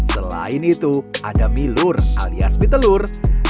selain itu ada milur alias mitelur